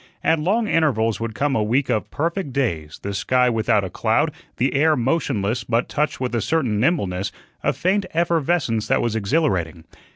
At long intervals would come a week of perfect days, the sky without a cloud, the air motionless, but touched with a certain nimbleness, a faint effervescence that was exhilarating.